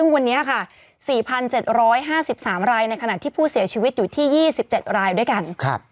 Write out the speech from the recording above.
วันนี้ค่ะ๔๗๕๓รายในขณะที่ผู้เสียชีวิตอยู่ที่๒๗รายด้วยกัน